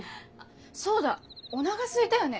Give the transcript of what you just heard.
そうだおながすいたよね？